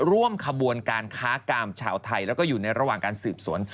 ร่วมขบวนการค้ากามชาวไทยแล้วก็อยู่ในระหว่างการสืบสวน